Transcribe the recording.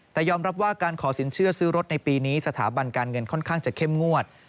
แต่ยอมรับว่าการขอสินเชื่อซื้อรถในปีนี้สถาบันการเงินค่อนข้างจะเข้มงวด